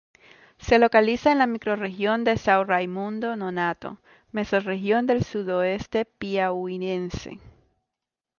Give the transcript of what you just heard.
Se localiza en la microrregión de São Raimundo Nonato, mesorregión del sudoeste piauiense.